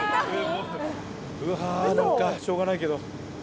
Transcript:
うわなんかしょうがないけど。